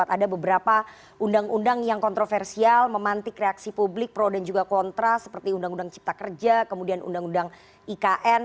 ada beberapa undang undang yang kontroversial memantik reaksi publik pro dan juga kontra seperti undang undang cipta kerja kemudian undang undang ikn